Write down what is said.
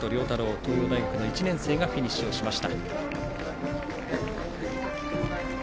東洋大学１年生がフィニッシュしました。